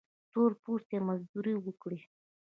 تور پوستي مزدوري وکړي.